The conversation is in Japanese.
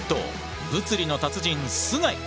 物理の達人須貝！